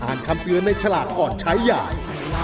อ่านคำเตือนในฉลากก่อนใช้อย่าง